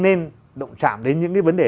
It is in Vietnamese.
nên động chạm đến những cái vấn đề